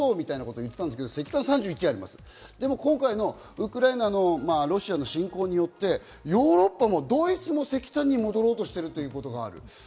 石炭を減らそうみたいなこと言っていたんですが、今回のウクライナのロシアの侵攻によってヨーロッパもドイツも石炭に戻ろうとしてるっていうことがある。